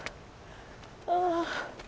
ああ。